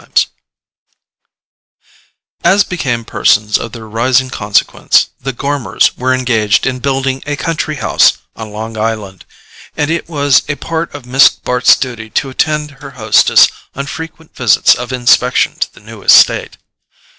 Chapter 6 As became persons of their rising consequence, the Gormers were engaged in building a country house on Long Island; and it was a part of Miss Bart's duty to attend her hostess on frequent visits of inspection to the new estate.